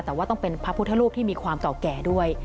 แต่ว่าต้องเป็นพระพุทธรูปที่มีความเก่าแก่ด้วย